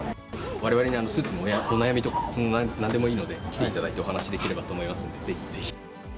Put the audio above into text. われわれにスーツのお悩みとか、なんでもいいので、来ていただいてお話しできればと思いますので、ぜひ。